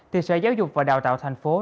thì sở giáo dục và đào tạo tp hcm